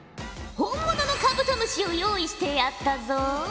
本物のカブトムシを用意してやったぞ。